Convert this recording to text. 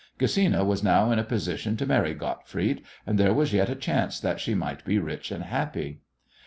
Gesina was now in a position to marry Gottfried, and there was yet a chance that she might be rich and happy.